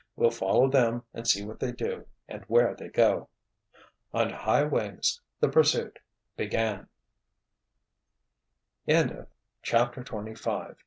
"We'll follow them and see what they do and where they go." On high wings the pursuit began. CHAPTER XXVI THE